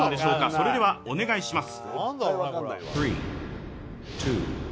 それでは、お願いします。